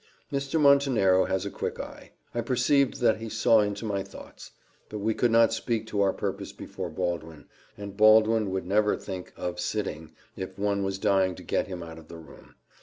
"Mr. Montenero has a quick eye I perceived that he saw into my thoughts; but we could not speak to our purpose before Baldwin, and Baldwin would never think of stirring, if one was dying to get him out of the room.